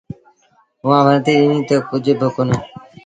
اُئآݩٚ ورنديٚ ڏنيٚ تا، ”ڪجھ با ڪونهي۔